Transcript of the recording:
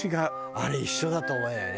あれ一緒だと思えないね